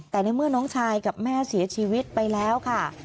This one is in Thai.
แต่ในเมื่อน้องชายกับแม่เสียชีวิตไปแล้วค่ะ